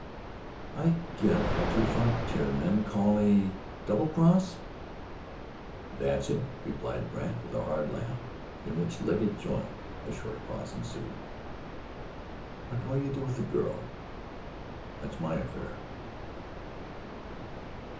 "I get what you frontier men call the double cross'?" "That's it," replied Brandt with a hard laugh, in which Legget joined. A short pause ensued. "What will you do with the girl?" "That's my affair."